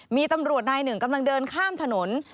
มีตำรวจนายหนึ่งกำลังเดินข้ามถนน